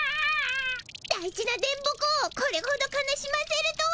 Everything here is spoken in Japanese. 大事な電ボ子をこれほど悲しませるとは。